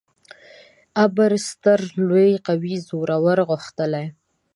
ابر: ستر ، لوی ، قوي، زورور، غښتلی